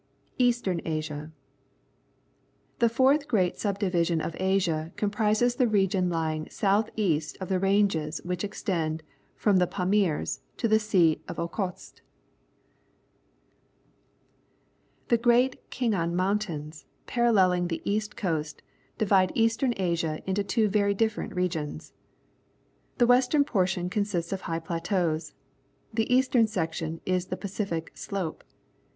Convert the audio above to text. (y^' Eastern Asia .— The fourth great sub division of Asia comprises the region lying south east of the ranges which extend from the Pamirs to the Sea of Okhotsk. The Great Khinghan Almrntains, parallelling the east coast, divide Eastern Asia into two ver\^ different regions. The western portion consists of high plateaus. The eastern sec tion is the Pacific Slope.